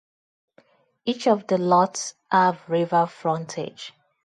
Each of the lots have river frontage.